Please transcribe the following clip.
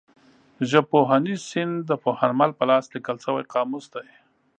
ژبپوهنیز سیند د پوهنمل په لاس لیکل شوی قاموس دی.